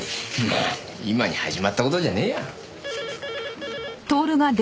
何今に始まった事じゃねえよ。